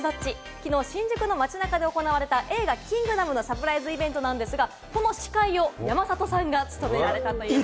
きのう新宿の街中で行われた映画『キングダム』のサプライズイベントなんですが、この司会を山里さんが務められたということで。